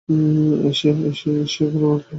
এশীয় কালো ভাল্লুক।